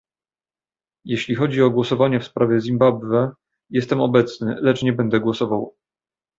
Jeśli chodzi o głosowanie w sprawie Zimbabwe, jestem obecny, lecz nie będę głosował